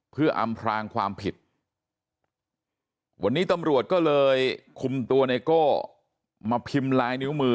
เพื่ออำพลางความผิดวันนี้ตำรวจก็เลยคุมตัวไนโก้มาพิมพ์ลายนิ้วมือ